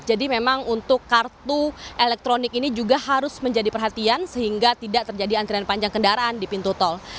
jadi memang untuk kartu elektronik ini juga harus menjadi perhatian sehingga tidak terjadi antrian panjang kendaraan di pintu tol